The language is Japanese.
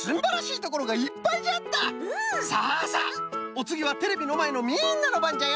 さあさあおつぎはテレビのまえのみんなのばんじゃよ！